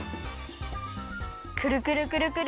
くるくるくるくる！